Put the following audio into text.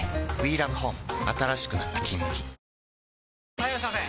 ・はいいらっしゃいませ！